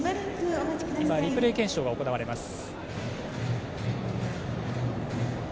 今、リプレイ検証が行われます。